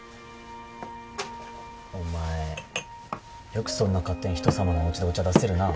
お前よくそんな勝手に人様のおうちでお茶出せるな。